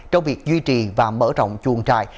trong việc duy trì và mở rộng chuồng trại